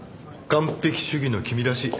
完璧主義の君らしい。